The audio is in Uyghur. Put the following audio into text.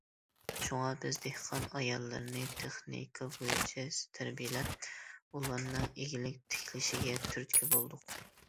شۇڭا بىز دېھقان ئاياللىرىنى تېخنىكا بويىچە تەربىيەلەپ، ئۇلارنىڭ ئىگىلىك تىكلىشىگە تۈرتكە بولدۇق.